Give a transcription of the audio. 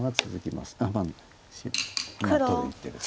まあ取る一手です。